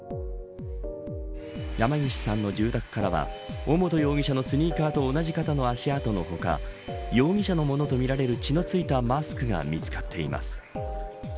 山岸さんの住宅からは尾本容疑者のスニーカーと同じ型の足跡の他容疑者のものとみられる血の付いたマスクが見つかっています。